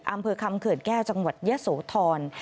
อำเภอคำเขื่อนแก้วจังหวัดยะโสธร